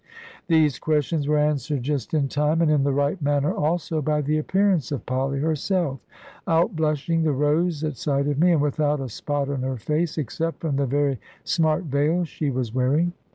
These questions were answered just in time, and in the right manner also, by the appearance of Polly herself, outblushing the rose at sight of me, and without a spot on her face, except from the very smart veil she was wearing.